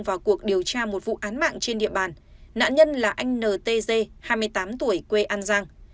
vào cuộc điều tra một vụ án mạng trên địa bàn nạn nhân là anh n t g hai mươi tám tuổi quê an giang